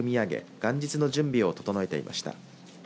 元日の準備を整えていました。